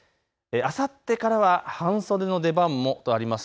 あさってからは半袖の出番もあります。